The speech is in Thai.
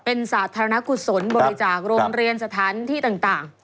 เป็นสาธารณกุศลบริจาคโรงเรียนสถานที่ต่าง